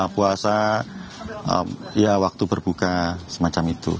puasa ya waktu berbuka semacam itu